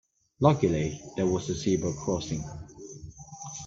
Luckily there was a zebra crossing.